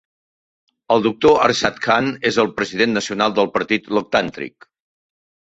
El doctor Arshad Khan és el president nacional del partit Loktantrik.